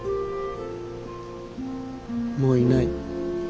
もういない。